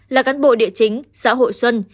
là cán bộ địa chính xã hội xuân